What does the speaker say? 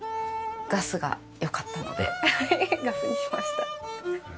ガスがよかったのでガスにしました。